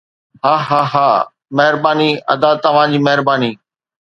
هاهاها مهرباني ادا توهان جي مهرباني